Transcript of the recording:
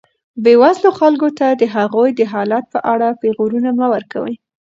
بېوزلو خلکو ته د هغوی د حالت په اړه پېغورونه مه ورکوئ.